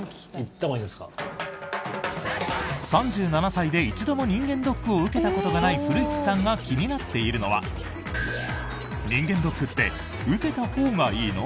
３７歳で一度も人間ドックを受けたことがない古市さんが気になっているのは人間ドックって受けたほうがいいの？